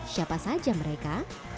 siapa saja mereka